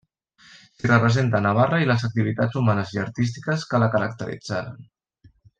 S'hi representa Navarra i les activitats humanes i artístiques que la caracteritzaren.